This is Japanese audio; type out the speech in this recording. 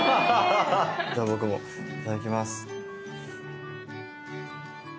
じゃあ僕もいただきます。